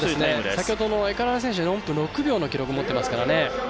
先ほどのエカレラ選手４分６秒の記録持っていますもんね。